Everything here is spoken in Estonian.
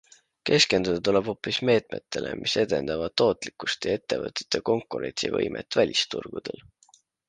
Keskenduda tuleb hoopis meetmetele, mis edendavad tootlikkust ja ettevõtete konkurentsivõimet välisturgudel.